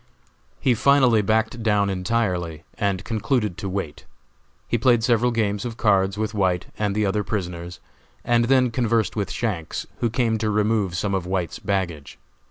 He finally backed down entirely, and concluded to wait. He played several games of cards with White and the other prisoners, and then conversed with Shanks, who came to remove some of White's baggage.